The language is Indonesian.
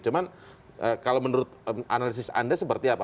cuman kalau menurut analisis anda seperti apa